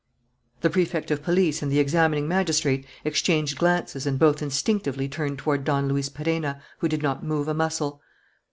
The Prefect of Police and the examining magistrate exchanged glances and both instinctively turned toward Don Luis Perenna, who did not move a muscle.